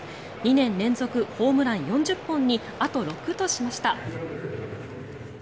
２年連続ホームラン４０本にあと６としました。